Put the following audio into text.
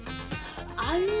あれ？